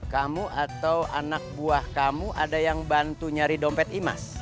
kamu atau anak buah kamu ada yang bantu nyari dompet imas